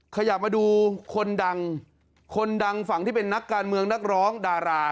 ขยับมาดูคนดังคนดังฝั่งที่เป็นนักการเมืองนักร้องดารา